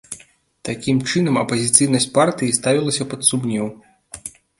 Такім чынам апазіцыйнасць партыі ставілася пад сумнеў.